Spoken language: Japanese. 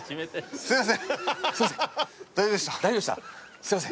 すいません。